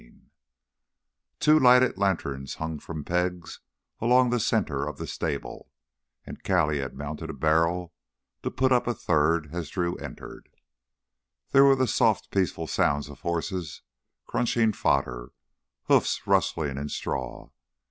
2 Two lighted lanterns hung from pegs along the center of the stable, and Callie had mounted a barrel to put up a third as Drew entered. There were the soft peaceful sounds of horses crunching fodder, hoofs rustling in straw.